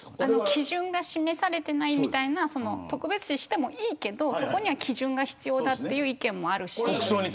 基準が示されていないみたいな特別視してもいいけどそこには基準が必要だという意見もあるし。